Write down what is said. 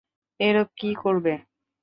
এরপর কী করবে?